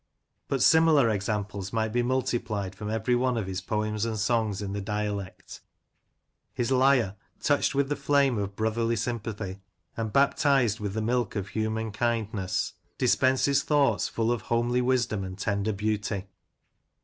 But similar examples might be multiplied from every one of his Poems and Songs in the dialect His lyre, touched with the flame of brotherly sympathy, and baptised with the milk of human kindness, dispenses thoughts full of homely wisdom and tender beauty.